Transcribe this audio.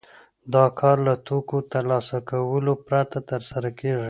دا کار له توکو ترلاسه کولو پرته ترسره کېږي